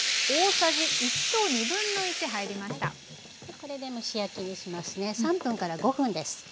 これで蒸し焼きにしますね。